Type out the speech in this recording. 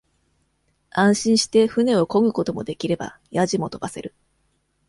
安心して舟をこぐこともできれば、やじもとばせる。